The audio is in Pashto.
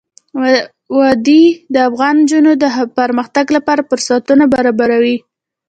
وادي د افغان نجونو د پرمختګ لپاره فرصتونه برابروي.